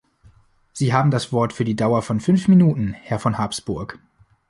Sie haben das Wort für die Dauer von fünf Minuten, Herr von Habsburg.